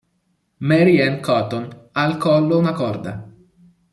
Mary Ann Cotton ha al collo una corda.